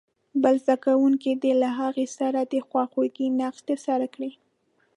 بل زده کوونکی دې له هغه سره د خواخوږۍ نقش ترسره کړي.